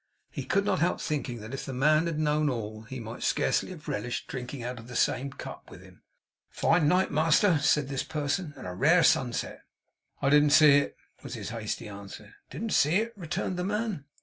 He could not help thinking that, if the man had known all, he might scarcely have relished drinking out of the same cup with him. 'A fine night, master!' said this person. 'And a rare sunset.' 'I didn't see it,' was his hasty answer. 'Didn't see it?' returned the man.